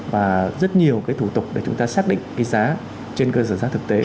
và rất nhiều cái thủ tục để chúng ta xác định cái giá trên cơ sở xác thực tế